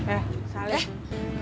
eh salah ya